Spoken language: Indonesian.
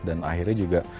dan akhirnya juga